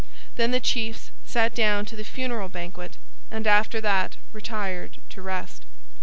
Then the chiefs sat down to the funeral banquet and after that retired to rest.